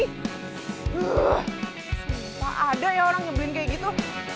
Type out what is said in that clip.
sumpah ada ya orang nyebrin kayak gitu